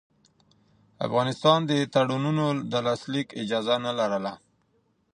افغانستان د تړونونو د لاسلیک اجازه نه لرله.